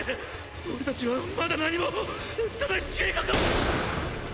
俺たちはまだ何もただ計画を！